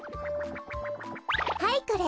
はいこれ。